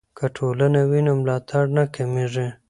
که ټولنه وي نو ملاتړ نه کمیږي.